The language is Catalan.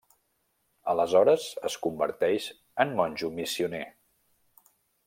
Aleshores, es converteix en monjo missioner.